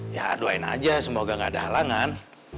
ya doain aja semoga gak ada halangan